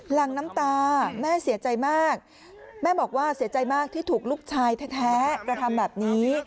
หลังน้ำตาแม่เสียใจมากแม่บอกว่าเสียใจมากที่ถูกลูกชายแท้กระทำแบบนี้